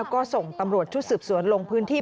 ก็ส่งตำรวจชุดสืบสวนลงพื้นที่